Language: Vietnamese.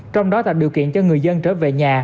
trong đó tạo điều kiện cho người dân trở về nhà